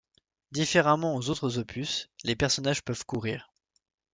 Différemment aux autres opus, les personnages peuvent courir.